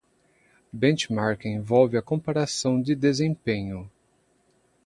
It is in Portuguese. Benchmarking envolve a comparação de desempenho.